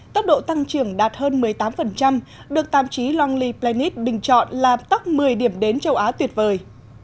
tốc độ tăng trưởng đạt hơn một mươi tám được tạm chí lonely planet đình chọn là tốc một mươi điểm đến châu á tuyệt vời